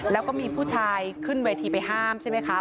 แล้วก็มีผู้ชายขึ้นเวทีไปห้ามใช่ไหมคะ